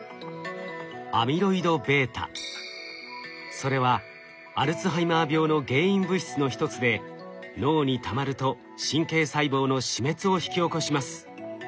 それはアルツハイマー病の原因物質の一つで脳にたまると神経細胞の死滅を引き起こします。